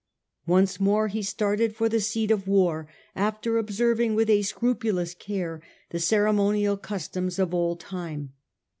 Once more he started for the seat of war, soon^ro after observing with a scrupulous care the ceremonial customs of old time.